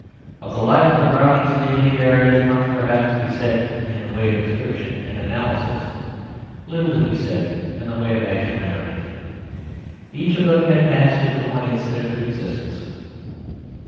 Of the life of the Brownings in Italy there is much perhaps to be said in the way of description and analysis, little to be said in the way of actual narrative. Each of them had passed through the one incident of existence.